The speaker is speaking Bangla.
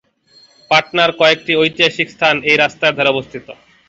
পাটনার কয়েকটি ঐতিহাসিক স্থান এই রাস্তার ধারে অবস্থিত।